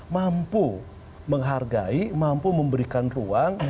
mampu menghargai mampu memberikan ruang